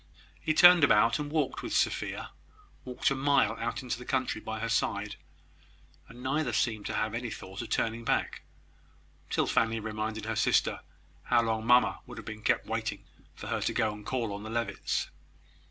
He turned about, and walked with Sophia walked a mile out into the country by her side, and neither seemed to have any thought of turning back, till Fanny reminded her sister how long mamma would have been kept waiting for her to go and call on the Levitts.